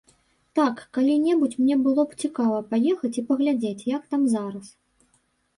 Так, калі-небудзь мне было б цікава паехаць і паглядзець, як там зараз.